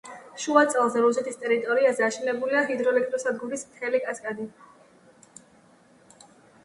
შუაწელზე, რუსეთის ტერიტორიაზე, აშენებულია ჰიდროელექტროსადგურების მთელი კასკადი.